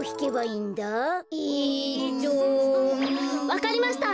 わかりました！